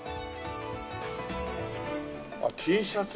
あっＴシャツ